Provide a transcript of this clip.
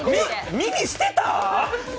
耳捨てた！？